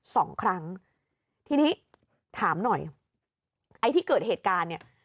สองครั้งทีนี้ถามหน่อยไอ้ที่เกิดเหตุการณ์เนี่ย